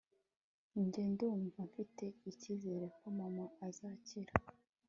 njye ndumva mfit icyizere ko mama azakira